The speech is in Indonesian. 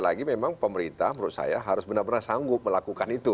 lagi memang pemerintah menurut saya harus benar benar sanggup melakukan itu